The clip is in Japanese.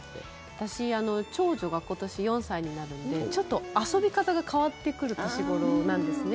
私、長女が今年４歳になるんでちょっと遊び方が変わってくる年頃なんですね。